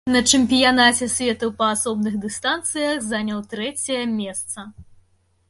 На чэмпіянаце свету па асобных дыстанцыях заняў трэцяе месца.